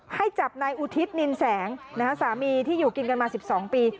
ให้จับนายอุทิศนินแสงสามีที่อยู่กินกันมา๑๒ปี